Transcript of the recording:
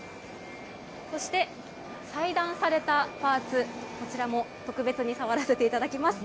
そして、裁断されたパーツ、こちらも特別に触らせていただきます。